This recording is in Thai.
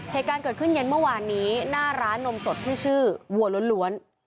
เหตุการณ์เกิดขึ้นเย็นเมื่อวานนี้หน้าร้านนมสดที่ชื่อวัวล้วน